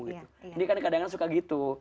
ini kan kadang suka gitu